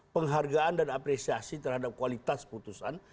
penghargaan dan apresiasi terhadap kualitas putusan